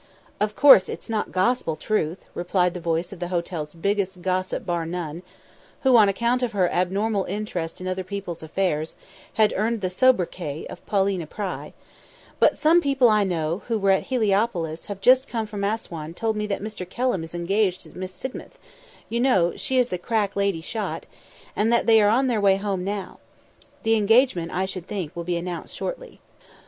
"Of course it's not gospel truth," replied the voice of the hotel's biggest gossip bar none, who, on account of her abnormal interest in other people's affairs, had earned the sobriquet of Paulina Pry, "but some people I know who were at Heliopolis and have just come from Assouan told me that Mr. Kelham is engaged to Miss Sidmouth you know, she is the crack lady shot and that they are on their way home now. The engagement, I should think, will be announced shortly."